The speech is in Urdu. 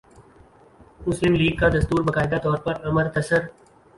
مسلم لیگ کا دستور باقاعدہ طور پر امرتسر